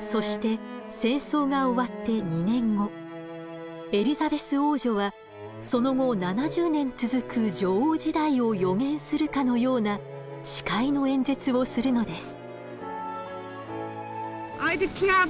そして戦争が終わって２年後エリザベス王女はその後７０年続く女王時代を予言するかのような「誓いの演説」をするのです。